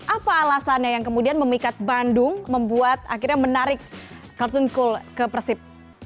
apa alasannya yang kemudian memikat bandung membuat akhirnya menarik caltun cool ke persib